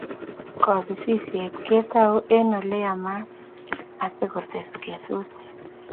Kora ko kobisisiet ketoi eng Ole yamat asikotes kesutik